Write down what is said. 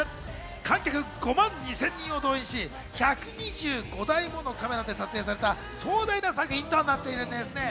観客５万２０００人を動員し、１２５台ものカメラで撮影された壮大な作品となっています。